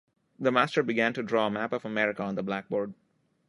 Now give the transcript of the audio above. The master began to draw a map of America on the blackboard